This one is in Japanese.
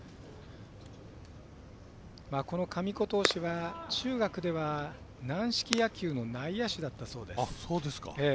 神子投手は中学では軟式野球の内野手だったそうです。